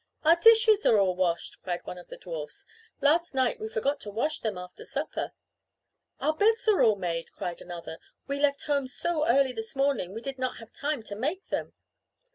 "Our dishes are all washed!" cried one of the dwarfs. "Last night we forgot to wash them after supper!" "Our beds are all made!" cried another. "We left home so early this morning we did not have time to make them!"